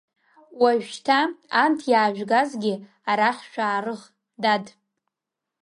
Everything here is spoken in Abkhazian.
Уажәшьҭа анҭ иаажәгазгьы арахь шәаарых, дад!